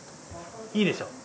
いいでしょ。